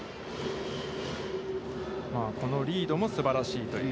このリードもすばらしいという。